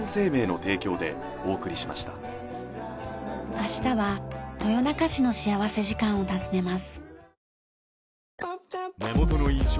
明日は豊中市の幸福時間を訪ねます。